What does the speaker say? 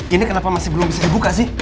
ini kenapa masih belum bisa dibuka sih